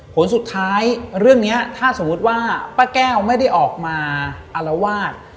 ผลสุดท้ายเรื่องนี้ถ้าสมมุติว่าป้าแก้วไม่ได้ออกมาอารวาส